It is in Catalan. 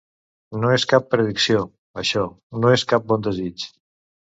No és cap predicció, això, no és cap bon desig.